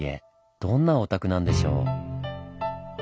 どんなお宅なんでしょう。